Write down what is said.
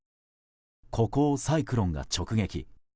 ここをサイクロンが直撃。